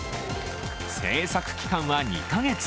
制作期間は２カ月。